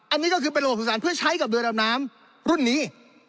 อันนี้ก็คือเป็นระบบของสารเพื่อใช้กับเรือดำน้ำรุ่นนี้